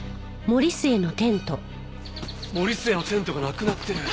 森末のテントがなくなってる。